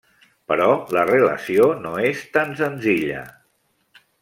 Però la relació no és tan senzilla.